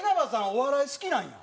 お笑い好きなんや。